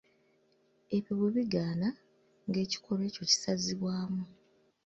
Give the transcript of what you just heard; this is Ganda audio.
Ebyo bwe bigaana, ng’ekikolwa ekyo kisazibwamu.